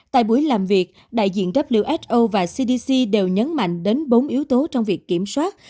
tại buổi làm việc đại diện wso và cdc đều nhấn mạnh đến bốn yếu tố trong việc kiểm soát